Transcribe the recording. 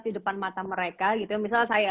di depan mata mereka gitu misalnya saya